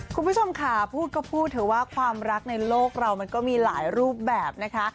คุณผู้ชมค่ะพูดก็พูดเถอะว่าความรักในโลกเรามันก็มีหลายรูปแบบนะคะ